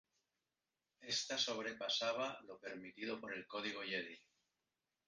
Esta sobrepasaba lo permitido por el Código Jedi.